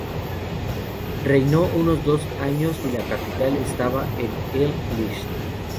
Reinó unos dos años y la capital estaba en El-Lisht.